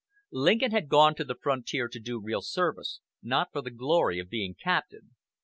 Lincoln had gone to the frontier to do real service, not for the glory of being captain.